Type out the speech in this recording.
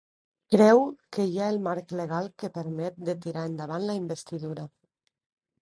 Creu que hi ha el marc legal que permet de tirar endavant la investidura.